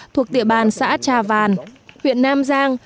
quốc địa bàn xã trà vàn huyện nam giang